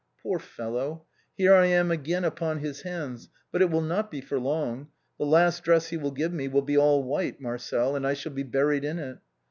Poor fellow, here I am again upon his hands, but it will not be for long, the last dress he will give me will be all white, Marcel, and I shall be buried in it.